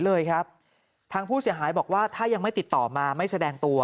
เลยครับทางผู้เสียหายบอกว่าถ้ายังไม่ติดต่อมาไม่แสดงตัว